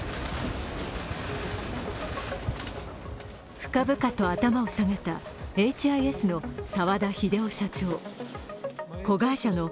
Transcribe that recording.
深々と頭を下げたエイチ・アイ・エスの澤田秀雄社長。